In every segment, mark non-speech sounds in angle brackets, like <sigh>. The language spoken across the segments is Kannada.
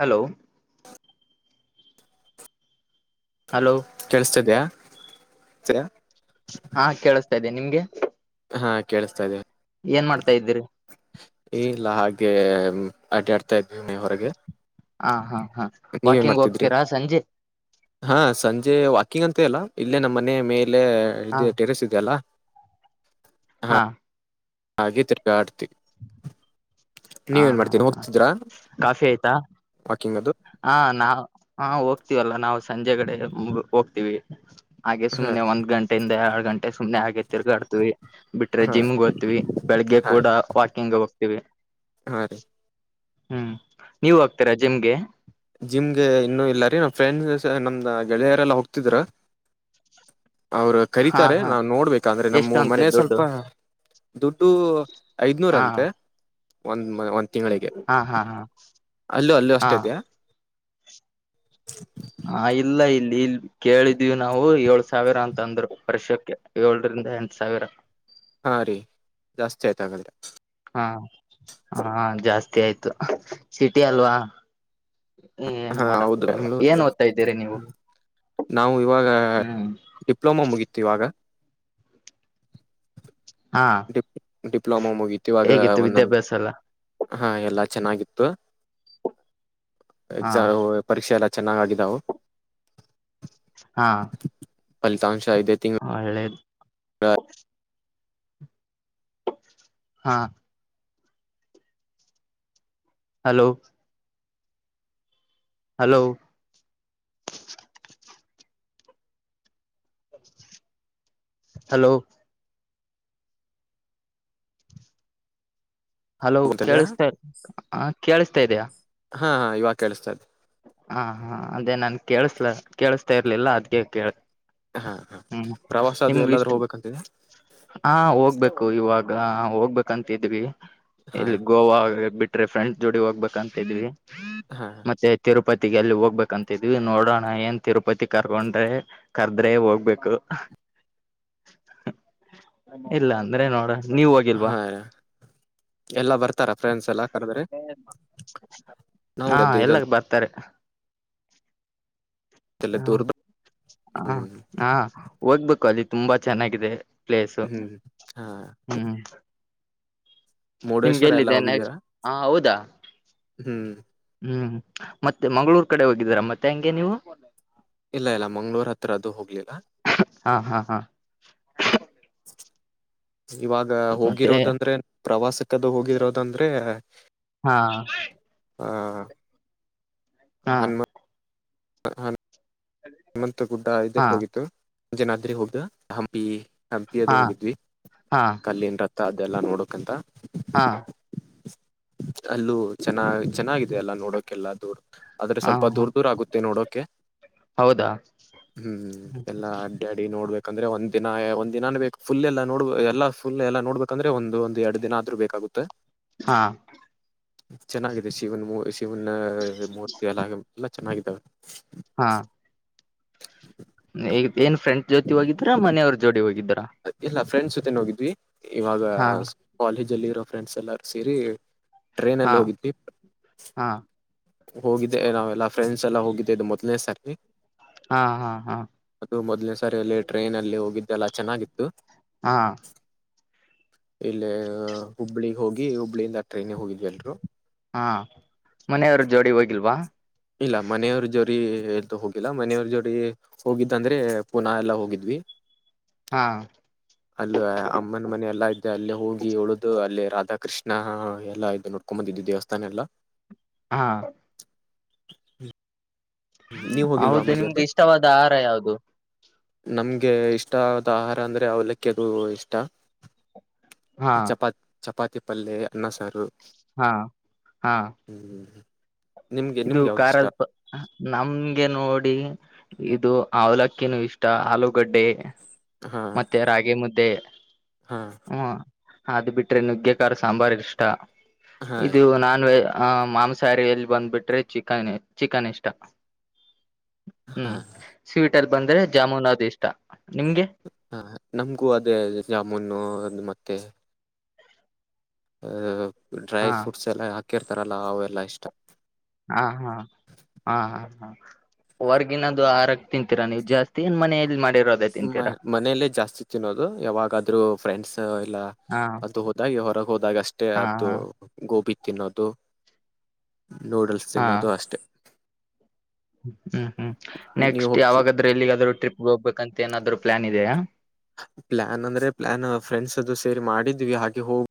ಹಲೋ ಹಲೋ ಕೆಳ್ಸತಿದ್ಯಾ ಹಾ ಕೇಳಸ್ತಾ ಇದ್ದೇನೆ ನಿಮ್ಗೆ ಹಾ ಕೇಳಿಸ್ತಾ ಇದೆ ಏನ್ ಮಾಡ್ತಾ ಇದ್ದೀ್ರರಿ ಈಲ್ಲಾ ಹಾಗೆ ಅಡ್ಡ ಆಡ್ತಾ ಇದ ಇದ್ವಿ ಮೇ ಹೊರಗೆ ಹ ಹಾ ನೀವ ನ್ ವಾಕಿಂಗ್ ಮಾಡ್ತಿದ್ರಿ ಹೋಗ್ತೀರಾ ಸಂಜೆ ಹಾ ಸಂಜೆ ಹಕ್ಕಿಂಗ್ ಅಂತೆ ಅಲ್ಲಾ ಇಲ್ಲೇ ನಮ್ಮ ಮನೆ ಮೇಲೆ ಹಾ ಇ ಟೆರೆಸ್ ಇದೆ ಅಲ್ಲ ಹಾ ಹಾಗೆ ತಿರ್ಗ ಆಡ್ತಿ ಹಾ ನೀವೇಏನ್ ಹಾ ಮಾಡಾ್ತೀರಿಿ ಹಾ ಹೋಗ್ತಿದ್ರಾ ಕಾಫಿ ಆಯ್ತಾ ವಾಕಿಂಗ್ ಅದು ಹಾ ನಾ ಹಾ ಹೋಗ್ತೀವಲ್ಲಾ ನಾವು ಸಂಜೆ ಕಡೆ ಮು ಹೋಗ್ತೀವಿ ಹಾಗೆ ಹಾ ಸುಮನೆ ಒಂದ್ ಗಂಟೆಯಿಂದ ಹ ಸುಮ್ನೆ ಹಾಗೆ ತಿರ್ಗಾಡ್ತವಿ ಬಿಟ್ರೆ ಹಾ ಜಿಮ್ ಓ್ತಿವಿ ಬೆಳಿಗ್ಗೆ ಹಾ ಕೂಡ ವಾಕಿಂಗ್ ಹೋಗ್ತೀವಿ ಹಾ ರೀ ಹ್ಮ್ ನೀವ ಹೋಗ್ತೀರಾ ಜಿಮ್ಗೆ ಜಿಮ್ ಗೆ ಇನ್ನುೂ ಇಲ್ಲಾರಿೀ ನಮ್ಮ್ ಫ್ರೆಂಡ್ ನಮ್ದ ಗೆಳೆಯರೆಲ್ಲಾ ಹೋಗ್ತಿದ್ರ ಭ ಅವರು ಕರೀತಾರೆ ನಾವವು ನೋಡ್ಬೇಕ ಅಂದ್ರೆ ಎಷ್ಟು ನಮ್ಮ ಅಂತೆ ಮನೆ ದುಡ್ಡು ಸ್ವಲ್ಪ ದುಡ್ಡು ಹಾ ಟು--ಐದನೂರಂತ ಒಂದ್ ಟು ಮಗಾ ಒಂದ್ ತಿಂಗಳಿಗೆ. ಹಾ ಹಾ ಹಾ ಅಲ್ಲೂ ಅಲ್ಲೂ ಹಾ ಅಷ್ಟೇ ಇದೆಯಾ ಚಿಪ್ ಹಾ ಇಲ್ಲ ಇಲ್ಲಿ ಇಲ್ ಕೇಳಿದೇವಿ ನಾವು ಏಳ್ ಸಾವಿರ ಅಂತ ಅಂದ್ರು ವರ್ಷಕ್ಕೆ ಏಳುರಿಂದ್ ಇದ ಎಂಟು ಸಾವಿರ ಹಾ ರೀ ಜಾಸ್ತಿ ಆಯ್ತ ಆಗಾದ್ರೆ. ಹಾ ಹಾ ಜಾಸ್ತಿ ಆಯ್ತು ಸಿಟಿ ಅಲ್ವಾ ಏನು ಹಾ ಮಾಡಕು ಹೌದು ಏನ್ ಬೆಂಗಳೂರು ಓದ್ತಾ ಇದ್ದೀರಿ ನೀವು. ನಾವು ಇವಾಗ ಹ್ಮ್ ಡಿಪ್ಲೊಮಾ ಮುಗೀತ್ ಇವಾಗ ಹಾ ಡಿಪ್ ಡಿಪ್ಲೊಮಾ ಮುಗಿತಿ ಇವಾಗ ಹೇಗಿತ್ತು ಒಂದ ನಮ್ದ್ ವಿದ್ಯಾಭ್ಯಾಸ ಎಲ್ಲ ಹಾ ಎಲ್ಲಾ ಚೆನ್ನಾಗಿತ್ತು. ಹಾ ಎಗಸ್ ಪರೀಕ್ಷೆ ಎಲ್ಲ ಚೆನ್ನಾಗಆಗಿದಾವು ಹಾ ಫಲಿತಾಂಶ ಇದೆ ತಿಂಗ್ ಹಾ ಎಳ್ಳೇದು ಟುಕ ಹಾ ಹಲೋ ಹಲೋ ಹಲೋ. ಹಲೋ ಕೇಳಿಸತಾ ಹಾ ಕೇಳಿಸ್ತಾ ಇದೆಯಾ ಹಾ ಹಾ ಇವಾಗ ಕೇಳಿಸ್ತಾ ಇದೆ. ಹಾ ಹಾ ಅದೇ ನನಗೆ ಕೇಳಸ್ಲ ಕೇಳಸ್ತಾ ಇರಲಿಲ್ಲ ಅದ್ಗೆ ಕೇಳದೆ ಹಾ ಹಾ ಹ್ಮ್ ಪ್ರವಾಸ ಅದು ನಿಮ್ಗ ಎಲ್ಲಾದ್ರೂ ಇಷ್ಟು ಹೋಗ್ಬೇಕಂತಿದೆ ಹಾ ಹೋಗಬೇಕು ಇವಾಗ್. ಹಾಆ ಹೋಗಬೇಕಅಂತಇದ್ದೀವಿ ಹಾ ಯಲ್ಲಿ ಗೋವಾ ಬಿಟ್ರೆ ಫ್ರೆಂಡ್ಸ್ ಜೋಡಿ ಹೋಗಬೇಕಅಂತಇದ್ದೀವಿ ಹಾ ತಿರುಪತಿಗೆ ಯಲ್ಲಿ ಹೋಗಬೇಕಅಂತಿದ್ದೀವಿ ನೋಡೋಣ ಏನ್ ತಿರುಪತಿ ಕರ್ಕೊಂಡ್ರೆ ಕರ್ದ್ರೆ ಹೋಗ್ಬೇಕು. ಹ ಹು ಇಲ್ಲ ಅಂದ್ರೆ ನೋಡನ ನೀವ ಹೋಗಿಲ್ವಾ? ಹಾ ಎಲ್ಲಾ ಬರ್ತಾರ ಫ್ರೆಂಡ್ಸ್ ಎಲ್ಲ ಹಾ ಎಲ್ಲ <unintelligible> ಬರ್ತಾರೆ ಎಲ್ಲ ಹಾ ದೂರ್ ಹಾ ಹ್ಮ್ ಹಾ ಹೋಗ್ಬೇಕು ಅಲ್ಲಿ ತುಂಬಾ ಚೆನ್ನಾಗಿದೆ ಪ್ಲೇಸು ಹ್ಮ್ ಹಾ ಹು. ನಿಮ್ಗೆ ಮುರುಡೇಶ್ವರ ಎಲ್ಲ ಎಲ್ಲಿದೆ ಹೋಗಿದ್ದೀರಾ ನೆಕ್ಸ್ಟ್ ಹಾ ಹೌದಾ ಹ್ಮ್ ಹ್ಮ್ ಮತ್ತೆ ಮಂಗಳೂರ ಕಡೆ ಹೋಗಿದ್ದೀರಾ ಮತ್ತೆ ಹಂಗೆ ನೀವು ಇಲ್ಲ ಇಲ್ಲ ಮಂಗ್ಗಳೂರ್ ಹತ್ರ ಅದು ಹೋಗಲಿಲ್ಲಾ ಹಾ ಹಾ ಹಾ <unintelligible> ಲುಚ್ಛ ಇವಾಗ ಮತ್ತೆ ಹೋಗಿರೋದಂದ್ರೆ ಪ್ರವಾಸಕ್ಕದು ಹೋಗಿರೋದಂದ್ರೆ ಹಾಇಗ್ಯ ಹಾಆ ಹಾ ಹಾ ಹನುಮಂತ ಗುಡ್ಡ ಹಾ ಇದಕ್ಕ ಹೋಗಿತ್ತು. ಜನಾದ್ರಿ ಹೌದ್ ಹಂಪಿ ಹಂಪಿ ಅದು ಹಾ ಹೋಗಿದ್ವಿ ಹಾ ಕಲ್ಲಿ ನ್ ರತ್ತ ಎಲ್ಲಾ ನೋಡಕಂತ ಹಾ ಅಲ್ಲೂ ಚೆನ್ನಾ ಚೆನ್ನಾಗಿದೆ ಎಲ್ಲ ನೋಡೋಕೆಲ್ಲ ದುರತ ಆದ್ರೆ ಹಾ ಸ್ವಲ್ಪ ಹಾ ದೂರ್ ದೂರ ಆಗುತ್ತೆ ನೋಡೋಕೆ ಹೌದಾ ಹ್ಮ್ ಹು ಹು ಎಲ್ಲಾ ಅಡ್ಯಾಡಿ ನೋಡ್ಬೇಕಂದ್ರೆ ಒಂದದಿನ ಒಂದಿನಾನೇ ಬೇಕ ಫುಲ್ ಎಲ್ಲ ನೋಡ್ ಎಲ್ಲ ಫುಲ್ ಎಲ್ಲ ನೋಡ್ಬೇಕಂದ್ರೆ ಒಂದು ಒಂದ ಎರಡ್ ದಿನ ಆದ್ರೂ ಬೇಕಾಗುತ್ತೆ. ಹಾ ಚೆನ್ನಾಗಿದೆ ಶಿವನ್ ಮುರ ಶಿವನ್ ಮೂರ್ತಿ ಎಲ್ಲಮೂರ್ತಿ ಎಲ್ಲ ಚೆನ್ನಾಗಿದ್ದಾವೆ ಹಾ ಈ ಏನ್ ಫ್ರೆಂಡ್ ಜೋತಿ ಹೋಗಿದ್ದರ ಮನೆಯವ್ರ ಜೋಡಿ ಹೋಗಿದ್ದಾರಾ ಇಲ್ಲ ಫ್ರೆಂಡ್ಸ್ ಜೊತೆ ನೋಗಿದ್ವಿ ಇವಾಗ ಕಾಲೇಜ ಅಲ್ಲಿ ಇರೋ ಫ್ರೆಂಡ್ಸ್ ಎಲ್ಲಾರು ಸೇರಿ ಹಾ ಟ್ರೇನಲ್ಲಿ ಹೋಗಿದ್ದವಿ ಹಾ ಹೋಗಿದ್ದೆ ನಾವೆಲ್ಲಾ ಫ್ರೆಂಡ್ಸ್ ಎಲ್ಲಾ ಹೋಗಿದ್ದೆ ಇದದು ಮೊದ್ನೇ ಸಾಕ್ತಿವಿ ಹಾ ಹಾ ಹಾ ಅದು ಮೊದ್ನೇ ಸಾರಲ್ಲಿ ಟ್ರೈನ್ ಅಲ್ಲಿ ಹೋಗಿದ್ದೆಲ್ಲ ಚೆನ್ನಾಗಿತ್ತು ಹಾ ಇಲ್ಲೇ ಹುಬ್ಬಳಿಗೆ ಹೋಗಿ ಹುಬ್ಳಿಯಿಂದ ಟ್ರೈನ್ಿಗೆ ಹೋಗಿದ್ವಿ ಎಲ್ರು ಹಾ ಮನೆಯವ್ರ ಜೋಡಿ ಹೋಗಿಲ್ವಾ ಇಲ್ಲ ಮನೆಯವ್ರ ಜೋರಿ ಎ್ದು ಹೋಗಿಲ್ಲ ಮನೆಯವ್ರ ಜೋರಿ ಹೋಗಿದ್ದಂದ್ರೆ ಪುನಃ ಎಲ್ಲ ಹೋಗಿದ್ವಿ <unintelligible> ಹಾ ಅಲ್ಲ ಅಮ್ಮನ ಮನೆ ಎಲ್ಲಾ ಇದ್ದೆ ಅಲ್ಲಿೇ ಹೋಗಿ ಉಳಿದು ಅಲ್ಲಿ ರಾಧಾಕೃಷ್ಣ ನಾ ಎಲ್ಲಾ ಇದದು ನೋಡ್ಕೊಂಡ ಬಂದಿದ್ದಿ ದೇವಸ್ಥಾನ ಎಲ್ಲ ಹಾ ಹ್ಮ್ ಹೌದು ನಿಮಗೆ ಇಷ್ಟವಾದ ಆಹಾರ ಯಾದು ನಮ್ಗೆ ಇಷ್ಟ ಆದ ಆಹಾರ ಅಂದ್ರೆ ಅವಲಿಕ್ಕೆ ಅದು ಇಷ್ಟ ಹಾ ಚಪಾತಿ ಪಲ್ಲೆಯ ಎನ್ನ ಸಾರ ಹಾ ಹಾ ಹ ಇದು ಖಲ್ಪ ನಮ ಹಗೆ ನೋಡಿ ಇದು ಅವಲಕ್ಕಿನೂ ಇಷ್ಟ ಆಲೂಗಡ್ಡೆ ಹಾ ಮತ್ತೆ ರಾಗಿ ಮುದ್ದೆ ಹಾ ಹ ಅದು ಬಿಟ್ರಿ ನುಗ್ಗೆಖಾರ್ ಸಾಂಬಾರ್ ಇಷ್ಟ ಹಾ ಇದು ನಾನ್ ವಜ ಹ ಮಾಂಸಾಹಾರ ಎಲ್ಲಿ ಬಂದ್ಬಿಟ್ರೆ ಚಿಕನ್ ಚಿಕನ್ ಇಷ್ಟ ಹಾ ಹ್ಮ್ ಸ್ವೀಟ್ ಅಲ್ಲಿ ಬಂದ್ರೆ ಜಾಮೂನ್ ಅದು ಇಷ್ಟ ನಿಮ್ಗೆ ಹಾ ನಮ್ಗೂ ಅದೇ ಜಾಮೂನು ಮತ್ತೆ ಅಹ ಡ್ರೈ ಹಾ ಫ್ರೂಟ್ಸ್ ಎಲ್ಲ ಹಾಕಿರ್ತಾರಲ್ಲ ಅವೆಲ್ಲಾ ಇಷ್ಟ ಹಾ ಹಾ ಹಾ ಹ ಹ ಹೊರ್ಗಿನದು ಆರಗ್ ತಿಂತೀರಾ ನೀವು್ ಜಾಸ್ತಿ ಏನ್ ಮನ ಮಾಡ ಮನೆಯಲ್ಲೇ ಜಾಸ್ತಿ ತಿನ್ನೋದು ಯಾವಾಗಾದ್ೂ ಫ್ರೆಂಡ್ಸ್ ಎಲ್ಲ ಹಾ ಅದು ಹೋದಾಗ ಯ ಹೊರಗೆ ಹೋದಾಗ ಅಷ್ಟೇ ಹಾ ಅದು ಹಾ ಗೋಬಿ ತಿನ್ನೋದು ನೂಡಲ್ಸ್ ಹಾ ತಿನ್ನೋದು ಅಷ್ಟೆ ಹ್ಮ್ ಹ್ಮ್ ನೀವು ನೆಕ್ಸ್ಟ್ ಹೋಗ್ತಿ ಯಾವಾಗಾದ್ರೂ ಎಲ್ಲಿಗಾದ್ರೂ ಟ್ರಿಪ್ಗೆ ಹೋಗ್ಬೇಕಂತ ಏನಾದ್ೂ ಪ್ಲಾನ್ದೆಾ ಪ್ಲ್ಯಾನ್ ಅಂದ್ರೆ ಪ್ಲ್ಾನ್ ಫ್ರೆಂಡ್ಸ್ ಅದು ಸೇರಿ ಮಾಡಿದ್ವಿ ಹಾಗೆ ಹೋಗ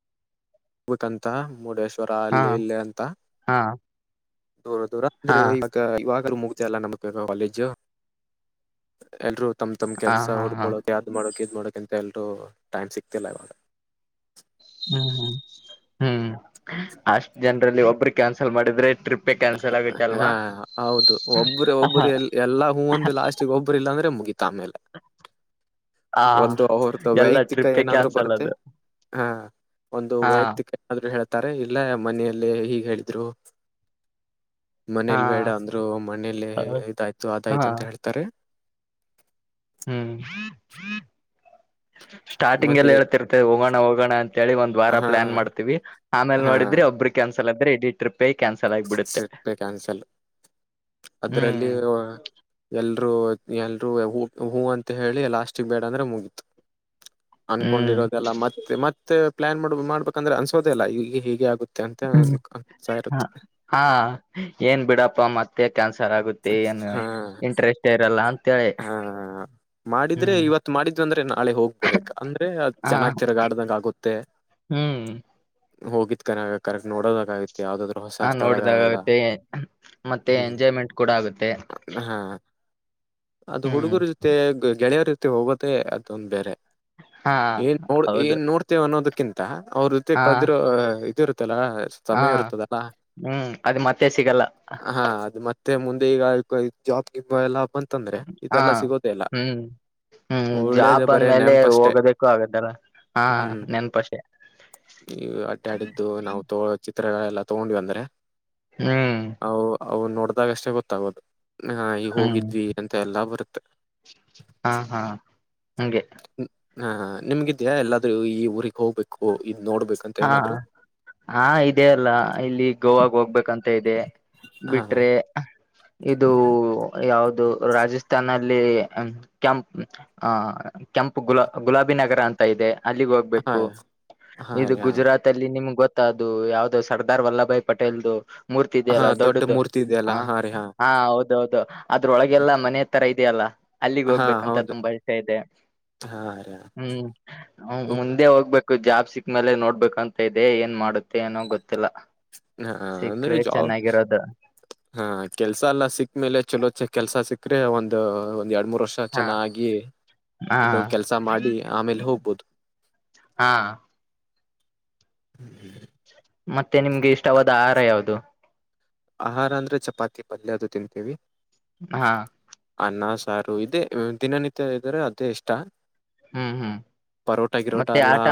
ಬಕಂತ ಮುರುಡೇಶ್ವರ ಹಾ ಅಲ್ಲಿ ಇಲ್ಲಿ ಅಂತ ಹಾ ದೂರ ದೂರ ಹಾ ಅಂದ್ರೆ ಇವಾಗವ ೂ ಮುಗತ ಅಲ್ಲ ನಮ ಕಾಲೇಜು ಎಲ್ರುೂ ತಮ್ ತಮ್ ಹಾ ಕೆಲಸ ಹಾ ಹಾ ಹುಡ್ಕೊಳೋಕ್ ಯ್ದ್ ಮಾಡಕ ಇದ್ ಮಾಡಕಂತ ಎಲ್ರೂ ಟೈಮ್ ಸಿಕ್ತಿಲ್ಲ ಇವಾಗ ಹ್ಮ ಹ್ಮ್ ಅಷ್ಟ ಜನರಲ್ಲಿ ಒಬ್ಬರು ಕ್ಯಾನ್ಸಲ್ ಮಾಡಿದ್ರೆ ಟ್ರಿಪ್ ಹಾ ಹೌದು ಒಬ್ಬ್ರ ಒಬ್ಬರು ಎ ಎಲ್ಲಾ ಹೂ ಒಂದು ಲಾಸ್ಟಿಗೆ ಒಬ್ಬರು ಇಲ್ಲಾಂದ್ರೆ ಗೀತಾ ಮೇಲೆ ಹಾ ಅವ್ರದ್ದ ಎಲ್ಲ ವೈಯಕ್ತಿಕ ಟ್ರಿಪ್ಪೇ ಏನಾದ್ರು ಕ್ಯಾನ್ಸಲ್ ಬರುತ್ತೆ ಅದು ಹಾ ಒಂದು ಹಾ ವೈಯಕ್ತಿಕ ಏನಾದ್ರು ಹೇಳ್ತಾರೆ ಇಲ್ಲ ಮನಲ್ಲೇ ಹೀಗ್ ಹೇಳಿದ್ರು ಹಾ ಮನೇಲಿ ಬೇಡ ಅಂದ್ರು ಮನೇಲ್ಲ ಇದಾಯ್ತು ಹಾ ಅದಾಯ್ತು ಅಂತ ಹೇಳ್ತಾರೆ ಹ್ಮ್ ಸ್ಟಾರ್ಟಿಂಗ್ ಮತ್ತೆ ಎಲ್ಲ ಹೇಳ್ತಿರ್ತ ಹೋಗೋಣ ಹೋಗೋಣ ಅಂತ ಅಂತೇಳಿ ಒಂದ ವಾರ ಹಾ ಪ್ಲಾನ್ ಮಾಡ್ತೀವಿ ಆಮೇಲೆ ಹಾ ನೋಿದ್ರೆ ಒಬ್ಬರು ಕ್ಯಾನ್ಸಲ್ ಆದ್ರ ಇಡೀ ಟ್ರಿಪ್ ಬೈ ಕ್ಯಾನ್ಸಲ್ ಆಗಬಿಡುತ್ತೆ ಅದರಲ್ಲಿ ಎ ಎಲ್ರು ಎಲ್ರು ಹ ಹೂ ಅಂತ ಹೇಳಿ ಲಾಸ್ಟಿಕ್ ಬೇಡ ಅಂದ್ರೆ ಮುಗತು ಹ್ಮ್ ಅನ್ಕೊಂಡಿರೋದೆಲ್ಲ ಮತ್ತೆ ಮತ್ತೆ ಪ್ಲಾನ್ ಮಾಡ ಮಾಡ್ಬೇಕಂದ್ರೆ ಅನ್ಸೋದಲ್ಲ ಈ ಹೇಗೆ ಆಗುತ್ತೆ ಅಂತ ಅನ್ಸಾ ಹ ಇರುತ್ತೆ ಹಾ ಏನ್ ಬಿಡಪ್ಪ ಮತ್ತೆ ಕನ್ಸ ಸರಾಗುತ್ತೆ ಏನು ಹಾ ಇಂಟ್ರೆಸ್ಟ್ ಇರಲ್ಲ ಅಂತೇಳಿ ಹಾ ಮಾಡಿದ್ರೆ ಹ್ಮ್ ಇವತ್ ಮಾಡಿದ್ವಿ ಅಂದ್ರೆ ನಾಳೆ ಹೋಗ್ಬಿಡ್ಬೇಕ್ ಅಂದ್ರೆ ಅದ ಹ ಚೆನ್ನಾಗ್ ತಿರ್ಗಾಡ್ದಂಗ ಆಗುತ್ತೆ ಹ್ಮ್ ಹೋಗಿದ್ ಕನಗ ಕರೆಕ್ಟ್ ನೋಡೋದಾಗ ಆೈತಿ ಯಾವ್ದಾದ್ರು ಹೊಸ ಹ ನೋಡ್ದಾಗ ಸ್ಥಳಗಳೆಲ್ಲ ಆಗುತ್ತೆ ಮತ್ತೆ ಹ್ಮ್ ಎಂಜಾಯ್ಮೆಂಟ್ ಕೂಡ ಆಗುತ್ತೆ ಹಾ ಅದು ಹ್ಮ್ ಹುಡುಗರ ಜೊತೆ ಗೆಳೆಯರ ಜೊತೆ ಹೋಗೋದೇ ಅದೊಂದು ಬೇರೆ ಹಾ ಏನ್ ನೋಡ್ ಹೌದು ಏನ್ ನೋಡ್ತೇವ ಅನ್ನೋದಕ್ಕಿಂತ ಅವ್ರ ಜೊತೆ ಹಾ ಕಳೆದಿರೋ ಇದರು ಇಲ್ಲ ಹಾ ಸಮಯ ಇರ್ತದಲ್ಲ ಹ್ಮ್ ಅದು ಮತ್ತೆ ಸಿಗಲ್ಲ ಹಾ ಅದು ಮತ್ತೆ ಮತ್ತೆ ಮುಂದೆ ಈಗ ಜಾಬ್ ನಿ ಎಲ್ಲ ಬಂತಂದ್ರೆ ಹಾ ಇದೆಲ್ಲಾ ಸಿಗೋದೇ ಇಲ್ಲ ಹ್ಮ್ ಹ್ಮ್ ಒಳ್ಳೇದ ಜಾಬ್ ಬರೇ ಬಂದ್ಮೇಲೆ ನೆನಪಷ್ಟೇ ಹೋಗೋದಕ್ಕು ಆಗತ್ತಲ್ಲ ಹಾ ನೆನ್ಪ ಅಷ್ಟೇ ನೀವು ಅಡ್ಡ ಆಡಿದ್ದು ನಾವು ತೋಗೋಳೋ ಚಿತ್ರಗಳೆಲ್ಲ ತಗೊಂಡ್ವಿ ಅಂದ್ರೆ ಹ್ಮ್ ನಾವುಅಷ್ಟೇ ಗೊತ್ತಾಗೋದು ನ ಈಗ್ ಹ್ಮ್ ಹೋಗಿದ್ವಿ ಅಂತ ಎಲ್ಲ ಬರುತ್ತೆ. ಹಾ ಹಾ ಹಗೆ. ಹಾ ನಿಮ್ಗಿದ್ಯಾಾ ಎಲ್ಲಾದ್ೂ ಈ ಊರಿಗ್ ಹೋಗ್ಬೇಕು. ನೋಡ್ಬೇಕಂತ ಹಾ ಏನಾದ್ರು ಹಾ ಇದೆ ಅಲ್ಲ ಇಲ್ಲಿ ಗೋವಾಗ ಹೋಗ್ಬೇಕಂತ. ಇದೆ ಹಾ ಬಿಟ್ರೆ ಇದು. ಯಾದು ರಾಜಸ್ಥಾನಲ್ಲಿ ಕೆಂಪ್ ಕೆಂಪ್ ಗುಲಾಬಿ ಗುಲಾಬಿ ನಗರ ಅಂತ ಇದೆ ಅಲ್ಲಿಗೆ ಹಾ ಹೋಗ್ಬೇಕು ಹಾ ಇದು. ರೀ ಹಾ ಗುಜರಾತ್ ಅಲ್ಲಿ ನಿಮ್ಗೆ ಗೊತ್ತ ಮ ಅದು ಯಾವದೋ ಸರ್ದಾರ್ ವಲ್ಲಭ ಭಾಯ್ ಪಟೇಲ್ದು. ಮೂರ್ತಿ ಹಾ ಇದೆಯಲ್ಲ ದೊಡ್ಡ ದೊಡ್ಡದು ಮೂರ್ತಿ ಇದೆಯಲ್ಲ ಹ ಹಾ ರೀ ಹಾ ಹೌದ ಹೌದು ಅದ್ರೊಳಗೆಲ್ಲ ಮನೆ. ತರ ಇದೆಯಲ್ಲ. ಅಲ್ಲಿಗ್ ಹಾ ಹೋಗ್ಬೇಕಂತ ಹೌದು ತುಂಬಾ ಇಷ ಇದೆ ಹಾ ರ ಹ್ಮ್ ಮುಂದೆ ಹೋಗ್ಬೇಕ. ಜಾಬ್ ಸಿಕ್ ಮೇಲೆ ನೋಡ್ಬೇಕಂತ ಇದೆ ಏನ್ ಮಾಡುತ್ತೆ ಏನೋ ಗೊತ್ತ. ಹಾ ಅಂದ್ರ ಜಾಬ್ ಚೆನ್ನಾಗಿರೋದು ಹಾ ಕೆಲ್ಸ ಎಲ್ಲಾ ಸಿಕ್ಮೇಲೆ ಚಲೋ ಚೆ ಕೆಲ್ಸ ಸಿಕ್ಕ್ರೆ ಒಂದ್ ಒಂದ್ ಎರಡ್ ಮೂರ್. ವರ್ಷ ಹಾ ಚೆನ್ನಾಗಿ ಹಾ ಇದೊ ಕೆಲ್ಸ ಮಾಡಿ ಆಮೇಲೆ ಹೋಗ್ಬೋುದು. ಹಾ. ಹ್ಮ್ ಹ್ಮ್. ಮತ್ತೆ ನಿಮ್ಗೆ ಇಷ್ಟವಾದ ಆಹಾರ ಯಾವುದು. ಆಹಾರ ಅಂದ್ರೆ ಚಪಾತಿ ಪಲ್ಯ ಅದು ತಿಂತೇವಿ. ಹಾ. ಅನ್ನ ಸಾರು ಇದೇ ದಿನನಿತ್ಯ ಇದ್ರೆ ಅದೇ ಇಷ್ಟ. ಹ್ಮ್ ಹ್ಮ್ ಪರೋಟ ಗಿರೋಟ ಮತ್ತೆ ಎಲ್ಲಾ ಆಟ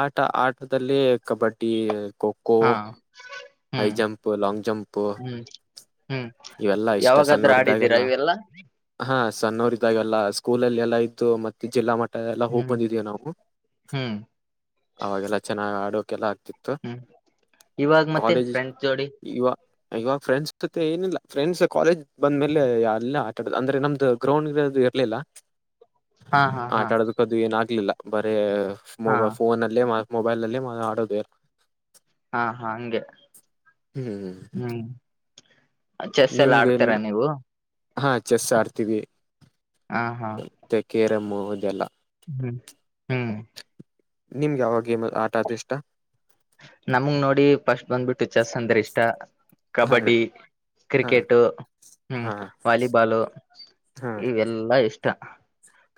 ಆಟ ಆಟದಲ್ಲಿ. ಕಬಡ್ಡಿ ಖೋಖೋ ಹಾ ಹೈ ಹ್ಮ್ ಜಂಪ್ ಲಾಂಗ್ ಜಂಪ್. ಹ್ಮ್ ಹ್ಮ್ ಇವೆಲ್ಲಾ ಇಷ್ಟ ಯಾವಾಗಾದ್ರೂ ಆಡಿದ್ದೀರಾ ಸಣ್ಣೋರ್ದಾಗೆಲ್ಲ ಇವೆಲ್ಲಾ ಹಾ. ಸಣ್ಣೋರ್ ಇದಾಗೆಲ್ಲ ಸ್ಕೂಲ್ ಅಲ್ಲಿ ಎಲ್ಲ ಇದ್ದು ಮತ್ತೆ ಜಿಲ್ಲಾ ಮಟ್ಟ. ಎಲ್ಲ ಹೋಗಿ ಹ್ಮ್ ಬಂದಿದೀವಿ ನಾವು ಹ್ಮ್ ಅವಾಗೆಲ್ಲ ಚೆನ್ನಾಗಿ್ ಆಡೋಕೆಲ್ಲ. ಹ್ಮ್ ಇವಾಗ ಮತ್ತೆ ಕಾಲೇಜ್ ಫ್ರೆಂಡ್ಸ್ ಜೋಡಿ ಇವಾಗ ಇವಾಗ ಫ್ರೆಂಡ್ಸ್ ಜೊತೆ ಏನಿಲ್ಲ. ಫ್ರೆಂಡ್ಸ್ ಕಾಲೇಜ್ ಬಂದ ಮೇಲೆ ಎಲ್ಲ ಆಟಾ ಅಂದ್ರೆ ನಮ್ದು ಗ್ರೌಂಡ್ ಇರೋದು ಇರ್ಲಿಲ್ಲ. ಹಾ ಹಾ ಹಾ ಆಟ ಆಡೋದಕ್ಕ ಅದು ಏನ ಆಗ್ಲಿಲ್ಲ ಬರೇ ಹಾ ಮೊಬ ಫೋನಲ್ಲೇ. ಮೊಬೈಲ್ ಅಲ್ಲಿ ಆಡೋದು ಹಾ ಹಾ ಹಂಗೆ ಹ್ಮ್ ಹ್ಮ್ ಚೆಸ್ ಎಲ್ಲ ನಿಮ್ಗೆ ಆಡ್ತೀರಾ ನೀವು. ಹಾ ಚೆಸ್ ಆಡ್ತೀವಿ ಹಾ ಹಾ ಕೆೇರಮ್ ಅದೆಲ್ಲಾ ಹ್ಮ್ ಹ್ಮ್ ನಿಮ್ಗೆ ಯಾವಾಗ ಗೇಮ್ ಆಟ ಆದ್ರೆ ಇಷ್ಟ. ನಮಗ್ ನೋಡಿ ಫಸ್ಟ್ ಬಂದ್ಬಿಟ್ಟು ಚೆಸ್ ಅಂದ್ರೆ ಇಷ್ಟ ಹ ಕಬಡ್ಡಿ. ಹಾ ಕ್ರಿಕೆಟು ಹ್ಮ್ ಹಾ ವಾಲಿಬಾಲು ಹಾ ಇವೆಲ್ಲಾ ಇಷ್ಟ.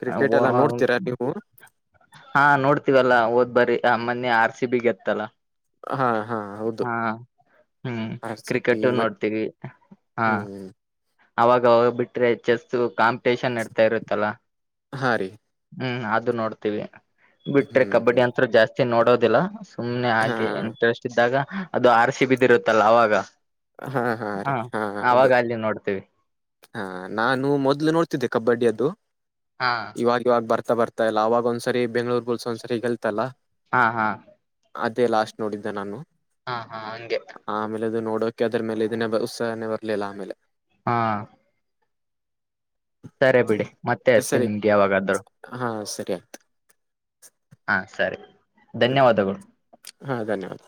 ಕ್ರಿಕೆಟ್ ಎಲ್ಲ ನೋಡ್ತೀರಾ ನೀವು ಹಾ ನೋಡ್ತೀವಲ್ಲ. ಬರಿೀ ಆ ಮನೆಿ ಆರ್ ಸಿ ಬಿ ಎತ್ತಲ್ಲ. ಹಾ ಹಾ ಹೌದು. ಹ್ಮ್ ಆ ಸಿ ಕ್ರಿಕೆಟ್ ಮ ಹ್ಮ್. ಅವಾಗ ಹೋಗ್ ಬಿಟ್ರೆ ಚೆಸ್ಸ ಕಾಂಪಿಟೇಷನ್ ನಡ್ತಾ ಇರುತ್ತಲ್ಲ. ಹಾಂ ರೀ. ಹ್ಮ್ ಅದು ನೋಡ್ತೀವಿ ಬಿಟ್ರೆ ಕಬಡ್ಡಿ ಹ್ಮ್ ಅಂತೂ ಜಾಸ್ತಿ. ನೋಡೋದಿಲ್ಲ ಸುಮ್ನೆ ಹಾ ಹಾಗೆ ಇಂಟ್ರೆಸ್ಟ್ ಇದ್ದಾಗ ಅದು ಆರ್ರಿಸಿ ಬಿದ್. ಇರುತ್ತಲ್ಲ ಅವಾಗ ಹಾ ಹಾ ರೀ ಹೌದು ಅವಾಗ ಅಲ್ಲಿ ನೋಡ್ತೇವಿ. ಹಾ ನಾನು ಮೊದ್ಲು ನೋಡ್ತಿದ್ದೆ ಕಬಡ್ಡಿಿಯ ಅದ್ದು ಹಾ ಇವಾಗ ಇವಾಗ ಬರ್ತಾ ಬರ್ತಾ. ಇ ಇಲ್ಲ ಅವಾಗ ಒಂದ್ಸರಿ ಬೆಂಗಳೂರುಒಂದಸರಿ ಗೆಲ್ತಲ್ಲ ಹಾ ಹಾ ಅದೇ ಲಾಸ್ಟ್ ನೋಡಿದ್ದೆ ನಾನು ಹಾ ಹಾ ಹಂಗೆ ಆಮೇಲೆ ಅದು ನೋಡೋಕೆ ಅದ್ರ ಮೇಲೆ ಇದನ್ನೇ ಉತ್ಸಾವೇ ಬರಲಿಲ್ಲ ಆಮೇಲೆ ಹಾ ಸರಿ ಬಿಡಿ ಮತ್ತೆ ಅಷ್ಟತಿ ನಿಮ್ಗೆ ಯಾವಾಗಾದ್ ಕ ಹಾ ಸರಿ ಧನ್ಯವಾದಗಳು ಹಾ ಧನ್ಯವಾದ